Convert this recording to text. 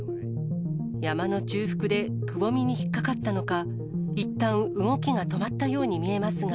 山の中腹でくぼみに引っ掛かったのか、いったん動きが止まったように見えますが。